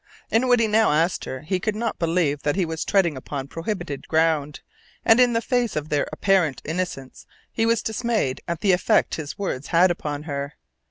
In what he now asked her he could not believe that he was treading upon prohibited ground, and in the face of their apparent innocence he was dismayed at the effect his words had upon her.